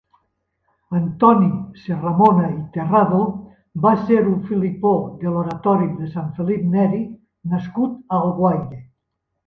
Antoni Serramona i Terrado va ser un felipó de l'Oratori de Sant Felip Neri nascut a Alguaire.